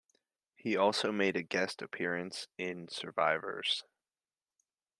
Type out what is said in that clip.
He also made a guest appearance in "Survivors".